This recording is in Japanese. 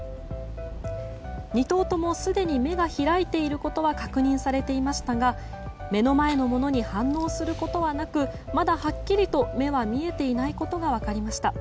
２頭ともすでに目が開いていることは確認されていましたが目の前のものに反応することはなくまだはっきりと目は見えていないことが分かりました。